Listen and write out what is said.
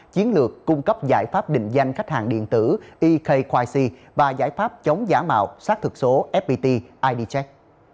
chiến lược cung cấp giải pháp định danh khách hàng điện tử ekqc và giải pháp chống giảm bạo xác thực số fpt id check